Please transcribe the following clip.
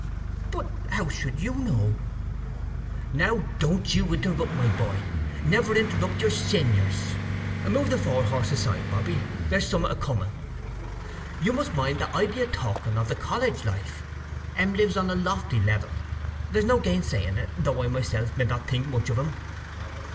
"But how should you know" "Now don't you interrupt, my boy. Never interrupt your senyers. Move the fore hoss aside, Bobby; here's som'at coming… You must mind that I be a talking of the college life. 'Em lives on a lofty level; there's no gainsaying it, though I myself med not think much of 'em.